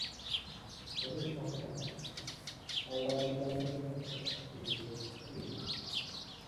ধ্বনির সংখ্যা হাওয়াইয়ান ভাষার সাথে মিল রেখে তেরোটি।